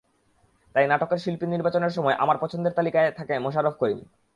তাই নাটকের শিল্পী নির্বাচনের সময় আমার পছন্দের তালিকায় থাকে মোশাররফ করিম।